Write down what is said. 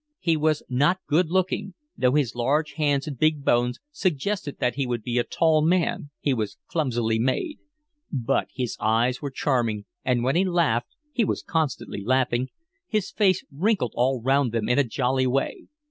He was not good looking; though his large hands and big bones suggested that he would be a tall man, he was clumsily made; but his eyes were charming, and when he laughed (he was constantly laughing) his face wrinkled all round them in a jolly way.